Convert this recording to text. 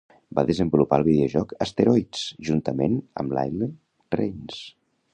Va desenvolupar el videojoc "Asteroids" juntament amb Lyle Rains.